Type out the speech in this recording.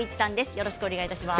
よろしくお願いします。